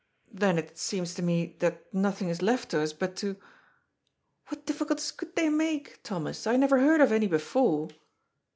Then it seems to me that nothing is left us but to What diffi culties could they make, Thomas? I never heard of any before."